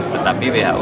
tetapi who menjelaskan